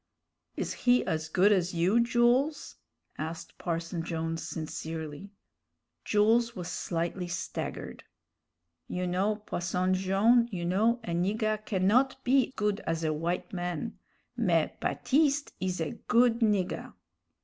"Is he as good as you, Jools?" asked Parson Jones, sincerely. Jules was slightly staggered. "You know, Posson Jone', you know, a nigger cannot be good as a w'ite man mais Baptiste is a good nigger."